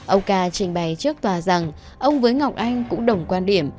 ông ca trình bày trước tòa rằng ông với ngọc anh cũng đồng quan điểm